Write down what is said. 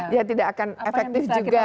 ya tidak akan efektif juga